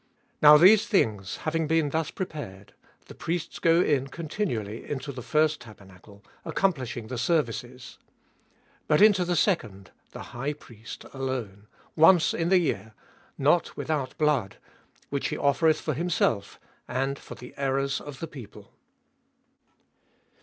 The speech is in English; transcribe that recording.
6. Now these things having been thus prepared, the priests go in continually into the first tabernacle, accomplishing the services ; 7 But into the second, the high priest alone, once in the year, not without blood, which he oflereth for himself, and for the errors of the people.